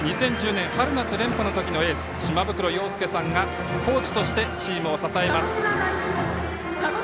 ２０１０年春夏連覇の時のエース島袋洋奨さんがコーチとしてチームを支えます。